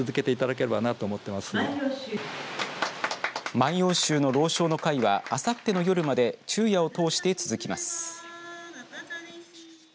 万葉集の朗唱の会はあさっての夜まで昼夜を通して続きます。